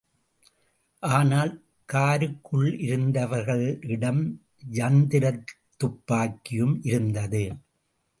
ஆனால் காருக்குள்ளிருந்தவர்களிடம் யந்திரத்துப்பாக்கியும் இருந்தது.